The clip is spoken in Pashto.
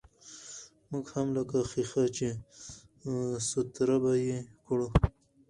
موږ هم لکه ښيښه، چې سوتره به يې کړو.